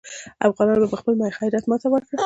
افغانانو په خپل غیرت ماته ورکړه.